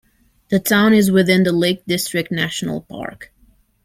The town is within the Lake District National Park.